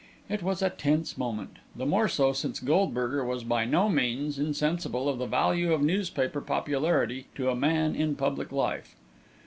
It was a tense moment, the more so since Goldberger was by no means insensible of the value of newspaper popularity to a man in public life.